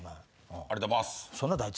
ありがとうございます。